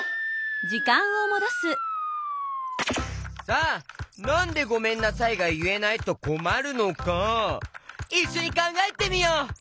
さあなんで「ごめんなさい」がいえないとこまるのかいっしょにかんがえてみよう！